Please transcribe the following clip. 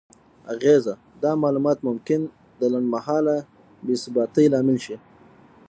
اغیزه: دا معلومات ممکن د لنډمهاله بې ثباتۍ لامل شي؛